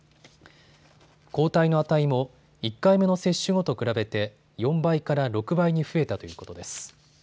抗体の値も１回目の接種後と比べて４倍から６倍に増えたということです。